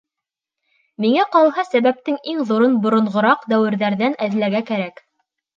Миңә ҡалһа, сәбәптең иң ҙурын боронғораҡ дәүерҙәрҙән эҙләргә кәрәк.